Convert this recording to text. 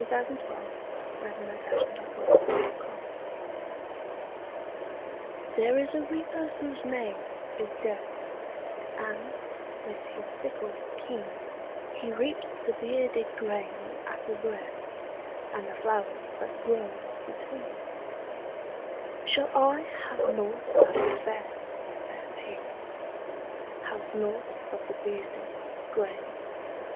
Henry Wadsworth Longfellow The Reaper And The Flowers THERE is a Reaper whose name is Death, And, with his sickle keen, He reaps the bearded grain at a breath, And the flowers that grow between. ``Shall I have nought that is fair?'' saith he; ``Have nought but the bearded grain?